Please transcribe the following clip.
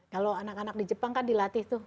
kalau anak anak di jepang kan dilatih tuh